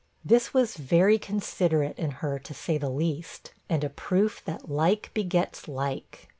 This was very considerate in her, to say the least, and a proof that 'like begets like.'